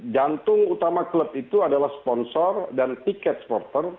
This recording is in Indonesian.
jantung utama klub itu adalah sponsor dan tiket supporter